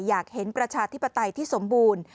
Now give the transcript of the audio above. อยากเห็นประชาธิปไตยที่สมบูรณ์